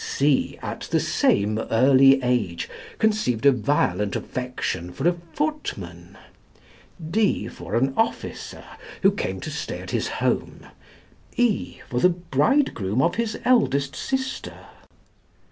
C at the same early age, conceived a violent affection for a footman; D for an officer, who came to stay at his home; E for the bridegroom of his eldest sister.